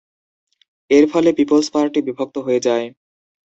এর ফলে people's party বিভক্ত হয়ে যায়।